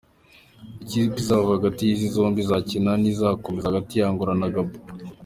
Ikipe izava hagati y’izi zombi izakina n’izakomeza hagati ya Angola na Gabon.